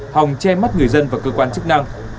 hòng che mắt người dân và cơ quan chức năng